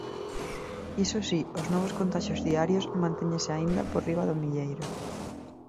Iso si, os novos contaxios diarios mantéñense aínda por riba do milleiro.